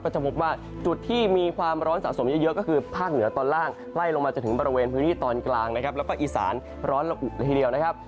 จะพบว่าจุดที่มีความร้อนสะสมเยอะก็คือภาคเหนือตอนล่างไล่ลงมาจนถึงบริเวณพื้นที่ตอนกลางนะครับแล้วก็อีสานร้อนละอุเลยทีเดียวนะครับ